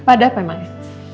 kenapa ada apa emangnya